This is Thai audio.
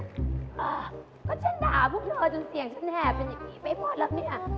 ก็ฉันด่าพวกเธอจนเสียงฉันแห่เป็นอย่างนี้ไปหมดแล้วเนี่ย